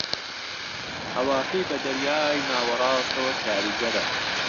ھەواکەی بە دەریای ناوەڕاستەوە کاریگەرە